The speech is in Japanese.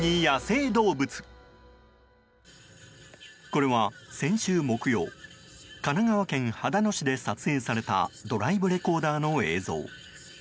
これは先週木曜神奈川県秦野市で撮影されたドライブレコーダーの映像。